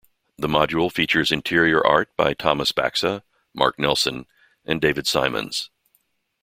The module features interior art by Thomas Baxa, Mark Nelson and David Simons.